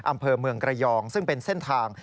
อำเภอเมืองระยองซึ่งเป็นเส้นทาง